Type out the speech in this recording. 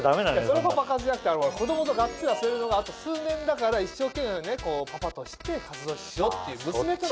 そのパパ活じゃなくて子供とがっつり遊べるのがあと数年だから一生懸命ねパパとして活動しようっていう娘との話よ。